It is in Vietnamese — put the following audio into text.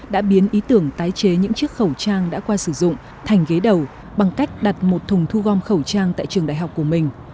đã biến ý tưởng tái chế những chiếc khẩu trang đã qua sử dụng thành ghế đầu bằng cách đặt một thùng thu gom khẩu trang tại trường đại học của mình